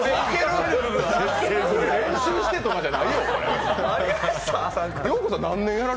練習してとかじゃないよ、これ。